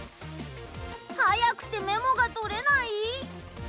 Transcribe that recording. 早くてメモが取れない？